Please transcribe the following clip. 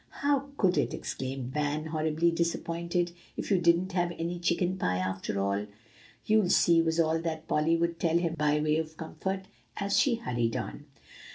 "How could it," exclaimed Van, horribly disappointed, "if you didn't have any chicken pie, after all?" "You'll see," was all that Polly would tell him by way of comfort, as she hurried on.